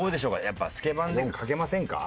やっぱスケバン刑事賭けませんか？